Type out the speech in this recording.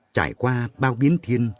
trải qua bao biến thiên